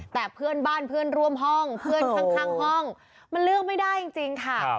แต่เพื่อนบ้านเพื่อนร่วมห้องเพื่อนข้างห้องมันเลือกไม่ได้จริงค่ะ